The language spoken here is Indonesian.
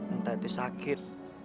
entah itu sakit